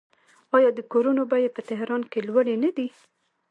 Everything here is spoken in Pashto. آیا د کورونو بیې په تهران کې لوړې نه دي؟